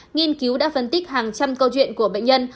nghiên cứu đã phân tích hàng trăm câu chuyện của bệnh nhân